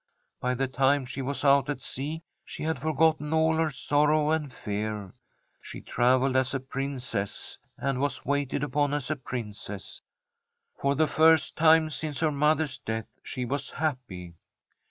By the time she was out at sea she had forgotten all her sorrow and fear. She travelled as a Princess, and was waited upon as a Princess. For the first time since her mother's death she was happy.'